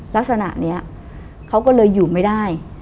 ลักษณะนี้เขาก็เลยอยู่ไม่ได้